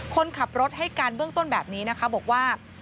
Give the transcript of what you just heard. คนขับรถให้การเบื้องต้นแบบนี้นะคะบอกว่า